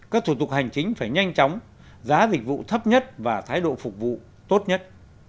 các thủ tục hành chính phải nhanh chóng giá dịch vụ thấp nhất và thái độ phục vụ tốt nhất